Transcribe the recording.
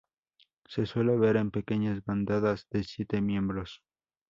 Se suele ver en pequeñas bandadas de siete miembros.